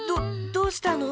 どどうしたの？